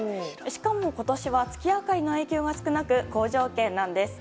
しかも今年は月明かりの影響が少なく好条件なんです。